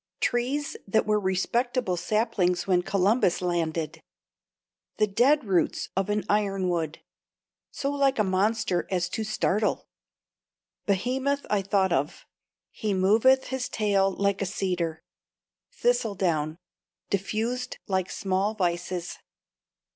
Trees that were respectable saplings when Columbus landed. The dead roots of an iron wood so like a monster as to startle. Behemoth I thought of. "He moveth his tail like a cedar.' Thistle down. Diffused like small vices.